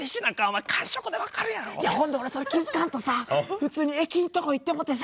いやほんで俺それ気付かんとさ普通に駅員んとこ行ってもうてさ。